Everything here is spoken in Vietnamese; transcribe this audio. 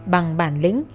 bằng bản lĩnh